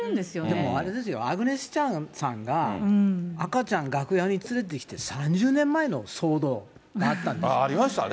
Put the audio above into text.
でもあれですよ、アグネス・チャンさんが、赤ちゃん、楽屋に連れてきて、ありましたね。